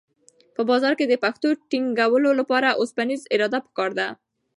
په بازار کې د پښو ټینګولو لپاره اوسپنیزه اراده پکار ده.